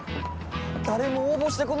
誰も応募してこないよ